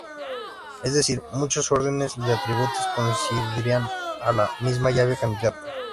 Es decir, muchos órdenes de atributos conducirán a la misma llave candidata.